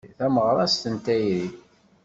Tameɣrast n tayri.